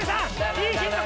いいヒント